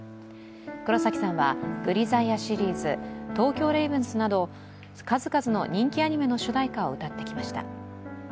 黒崎さんは「グリザイア」シリーズ、「東京レイヴンズ」など数々の人気アニメの主題歌を歌ってきました。